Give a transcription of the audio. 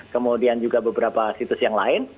kemudian juga beberapa situs yang lain